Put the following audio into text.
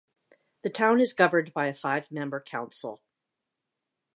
The town is governed by a five-member council.